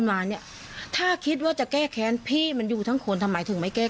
มาเนี่ยถ้าคิดว่าจะแก้แค้นพี่มันอยู่ทั้งคนทำไมถึงไม่แก้